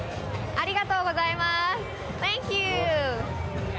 ありがとうございます。